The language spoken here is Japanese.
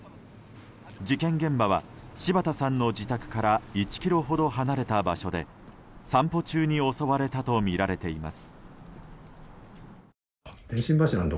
事件現場は柴田さんの自宅から１ｋｍほど離れた場所で散歩中に襲われたとみられています。